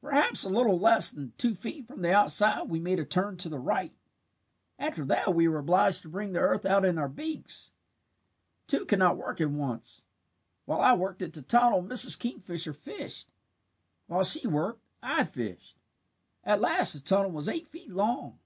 "Perhaps a little less than two feet from the outside we made a turn to the right. After that we were obliged to bring the earth out in our beaks. "Two could not work at once. While I worked at the tunnel Mrs. Kingfisher fished. While she worked, I fished. At last the tunnel was eight feet long.